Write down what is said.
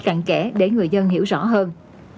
cặn kẽ để người dân hiểu rõ hơn